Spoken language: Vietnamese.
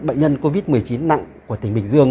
bệnh nhân covid một mươi chín nặng của tỉnh bình dương